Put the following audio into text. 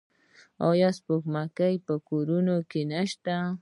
آیا سپوږمکۍ په کورونو کې نشته؟